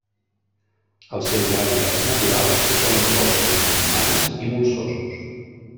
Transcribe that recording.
Els seus hàbitats naturals són els boscos montans i molsosos.